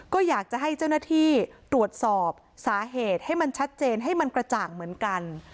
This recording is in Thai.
ก็อยากจะให้เจ้าหน้าที่ตรวจสอบสาเหตุให้มันชัดเจนให้มันกระจ่างเหมือนกัน